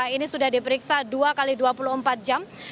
ini sudah diperiksa dua x dua puluh empat jam